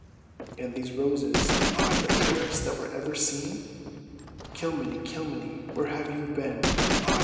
And these roses, the fairest that ever were seen? Kilmeny, Kilmeny, where have you been?"